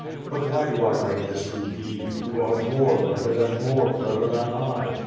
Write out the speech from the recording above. But why do I write this to thee, who art more learned and roo Q^O 7ADIS. more clever than I?